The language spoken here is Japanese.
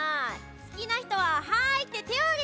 すきなひとは「はい」っててをあげて。